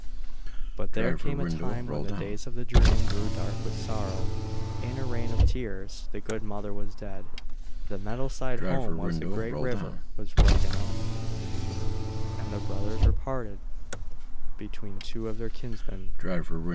But there came a time when the days of the dream grew dark with sorrow in a rain of tears. The good mother was dead, the meadowside home by the great river was broken up, and the brothers were parted between two of their kinsmen.